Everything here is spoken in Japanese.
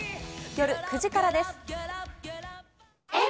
夜９時からです。